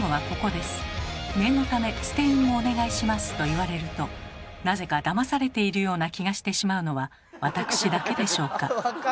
「念のため捨て印もお願いします」と言われるとなぜかだまされているような気がしてしまうのは私だけでしょうか？